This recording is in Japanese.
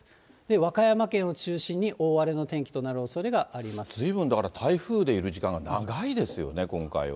和歌山県を中心に大荒れの天気となるおそれずいぶん、だから台風でいる時間が長いですよね、今回は。